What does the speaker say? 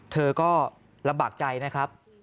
เธอก็ลำบากใจนะครับ